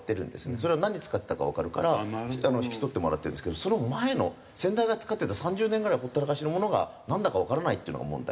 それはなんに使ってたかわかるから引き取ってもらってるんですけどその前の先代が使ってた３０年ぐらい放ったらかしの物がなんだかわからないっていうのが問題に。